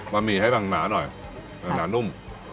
บะหมี่ให้แบ่งหนาหน่อยแบ่งหนานุ่ม